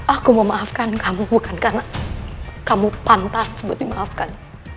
aku memaafkan kamu bukan karena kamu pantas buat dimaafkan